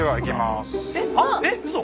えっうそ！